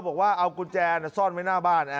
บอกว่าเอากุญแจซ่อนไว้หน้าบ้าน